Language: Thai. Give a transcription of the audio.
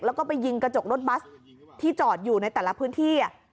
แล้วก็ไปยิงกระจกรถบัสที่จอดอยู่ในแต่ละพื้นที่